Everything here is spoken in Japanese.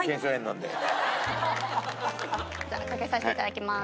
じゃあかけさせて頂きます。